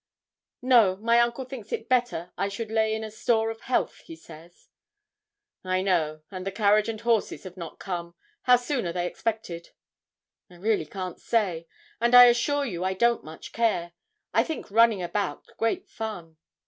'No; my uncle thinks it better I should lay in a store of health, he says.' 'I know; and the carriage and horses have not come; how soon are they expected?' 'I really can't say, and I assure you I don't much care. I think running about great fun.'